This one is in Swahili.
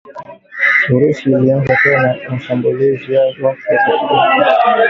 Urusi ilianza tena mashambulizi yake kati kati ya mji mkuu wa Ukraine